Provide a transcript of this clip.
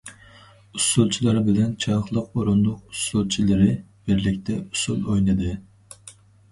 ئۇسسۇلچىلار بىلەن چاقلىق ئورۇندۇق ئۇسسۇلچىلىرى بىرلىكتە ئۇسسۇل ئوينىدى.